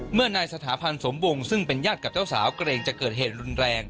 เมื่อนายสถาพันธ์สมวงซึ่งเป็นญาติกับเจ้าสาวเกรงจะเกิดเหตุรุนแรง